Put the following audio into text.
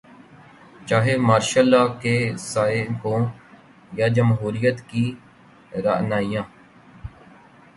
چاہے martial law کے سائے ہوں یا جمہوریت کی رعنائیاں۔